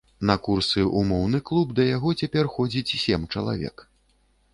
На курсы ў моўны клуб да яго цяпер ходзіць сем чалавек.